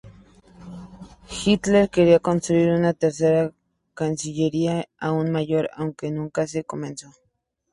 Hitler quería construir una tercera Cancillería, aún mayor, aunque nunca se comenzó.